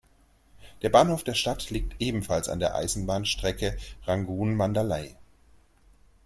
Der Bahnhof der Stadt liegt ebenfalls an der Eisenbahnstrecke Rangun–Mandalay.